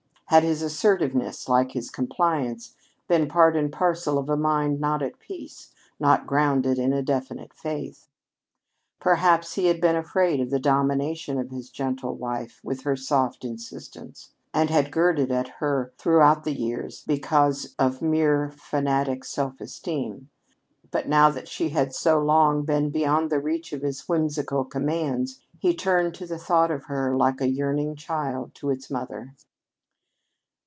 Had his assertiveness, like his compliance, been part and parcel of a mind not at peace, not grounded in a definite faith? Perhaps he had been afraid of the domination of his gentle wife with her soft insistence, and had girded at her throughout the years because of mere fanatic self esteem. But now that she had so long been beyond the reach of his whimsical commands, he turned to the thought of her like a yearning child to its mother.